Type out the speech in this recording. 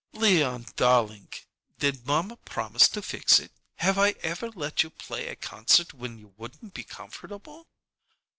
"Leon darlink, did mamma promise to fix it? Have I ever let you play a concert when you wouldn't be comfortable?"